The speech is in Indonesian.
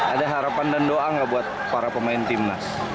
ada harapan dan doa gak buat para pemain timnas